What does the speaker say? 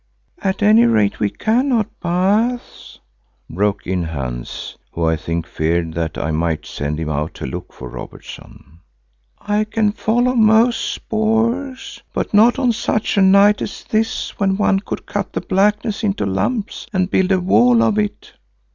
"At any rate we cannot, Baas," broke in Hans, who I think feared that I might send him out to look for Robertson. "I can follow most spoors, but not on such a night as this when one could cut the blackness into lumps and build a wall of it."